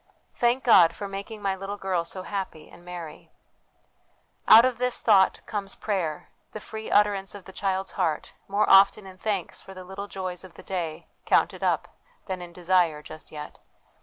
' Thank God for making my little girl so happy and merry !' Out of this thought comes prayer, the free utterance of the child's heart, more often in thanks for the little joys of the day counted up than in desire, just yet.